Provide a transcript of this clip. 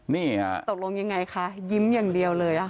นี่ค่ะตกลงยังไงคะยิ้มอย่างเดียวเลย